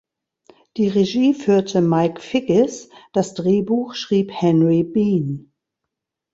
Die Regie führte Mike Figgis, das Drehbuch schrieb Henry Bean.